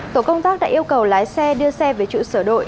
tổ công tác đã yêu cầu lái xe đưa xe về trụ sở đội